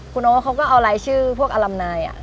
คุณโอ๊ตเขาก็เอารายชื่อพวกอลัมนาย